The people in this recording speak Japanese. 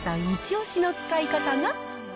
一押しの使い方が。